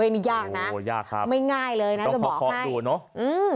นี่ยากนะไม่ง่ายเลยนะจะบอกให้อ๋อยากครับต้องคอบดูเนอะ